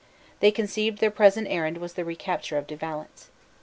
They conceived their present errand was the recapture of De Valence.